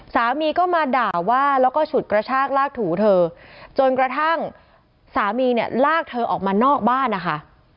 สามีก็มาด่าว่าแล้วก็ฉุดกระชากลากถูเธอจนกระทั่งสามีเนี่ยลากเธอออกมานอกบ้านนะคะ